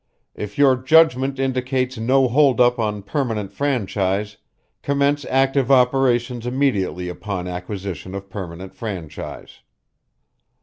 If your judgment indicates no hold up on permanent franchise, commence active operations immediately upon acquisition of permanent franchise.